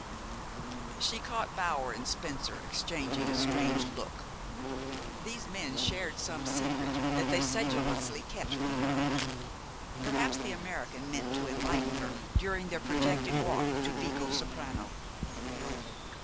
She caught Bower and Spencer exchanging a strange look. These men shared some secret that they sedulously kept from her. Perhaps the American meant to enlighten her during their projected walk to Vicosoprano.